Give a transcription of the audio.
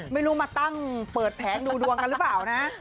ไม่รู้มาตั้งเปิดแผงดูดวงกันหรือเปล่านะ